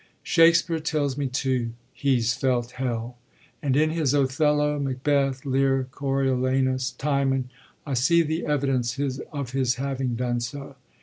Shakspere tells me, too, he 's felt hell : and in his Othello, Macbeth, Lear, Goriolanus, Timon, I see the evidence of his having done so.